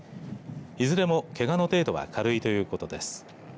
いずれも、けがの程度は軽いということです。